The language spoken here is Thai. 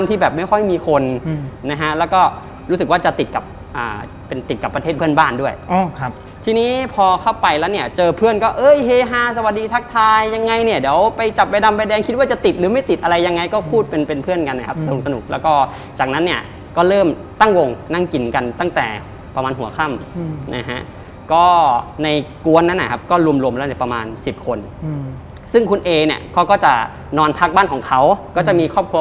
ทีนี้พอเข้าไปแล้วเนี่ยเจอเพื่อนก็เฮฮาสวัสดีทักทายยังไงเนี่ยเดี๋ยวไปจับใบดำใบแดงคิดว่าจะติดหรือไม่ติดอะไรยังไงก็พูดเป็นเพื่อนกันนะครับสนุกแล้วก็จากนั้นเนี่ยก็เริ่มตั้งวงนั่งกินกันตั้งแต่ประมาณหัวค่ำนะฮะก็ในกว้นนั้นนะครับก็รวมแล้วเนี่ยประมาณ๑๐คนซึ่งคุณเอเนี่ยเขาก็จะนอน